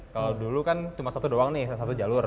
kalau dulu kan cuma satu doang nih satu jalur